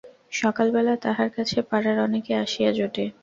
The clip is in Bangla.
সকাল বেলা তাহার কাছে পাড়ার অনেকে আসিয়া জোটে।